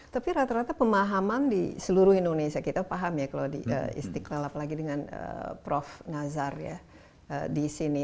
tapi rata rata pemahaman di seluruh indonesia kita paham ya kalau di istiqlal apalagi dengan prof nazar ya di sini